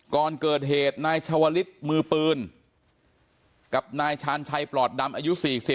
ก่อนเกิดเหตุนายชาวลิศมือปืนกับนายชาญชัยปลอดดำอายุ๔๐